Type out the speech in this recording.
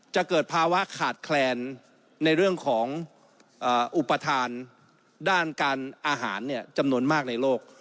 เกิดภาวะขาดแคลนในเรื่องของอุปทานด้านการอาหารจำนวนมากในโลก